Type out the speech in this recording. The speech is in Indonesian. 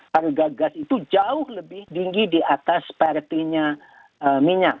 harga gas itu jauh lebih tinggi di atas parity nya minyak